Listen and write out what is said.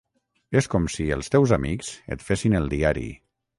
És com si els teus amics et fessin el diari.